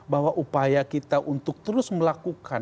bahwa upaya kita untuk terus melakukan